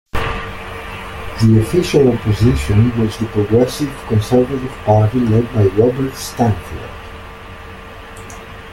The Official Opposition was the Progressive Conservative Party, led by Robert Stanfield.